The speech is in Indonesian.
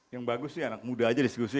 yang bagus sih anak muda aja diskusi